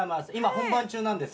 本番中なんです。